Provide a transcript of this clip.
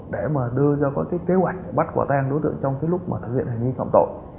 để mà đưa ra có cái kế hoạch bắt quà tang đối tượng trong cái lúc mà thực hiện hành vi phòng tội